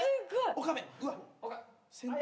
岡部。